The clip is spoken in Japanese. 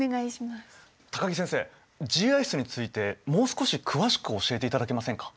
高木先生ＧＩＳについてもう少し詳しく教えていただけませんか。